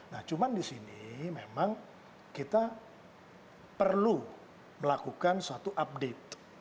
nah cuman di sini memang kita perlu melakukan suatu update